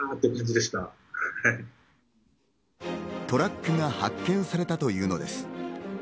トラックが発見されたというのです。